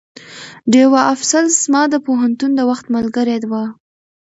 ډيوه افصل زما د پوهنتون د وخت ملګرې وه